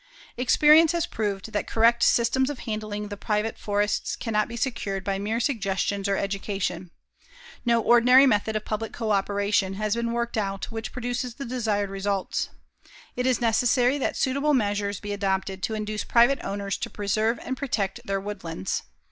Experience has proved that correct systems of handling the private forests can not be secured by mere suggestions or education. No ordinary method of public coöperation has been worked out which produces the desired results. It is necessary that suitable measures be adopted to induce private owners to preserve and protect their woodlands.